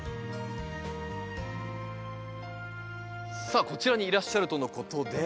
さあこちらにいらっしゃるとのことで。